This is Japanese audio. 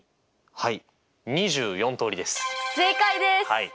はい。